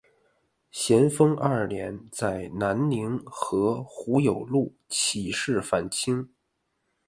咸丰二年在南宁和胡有禄起事反清。